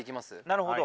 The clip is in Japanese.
なるほど。